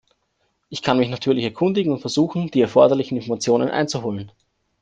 Ich kann mich natürlich erkundigen und versuchen, die erforderlichen Informationen einzuholen.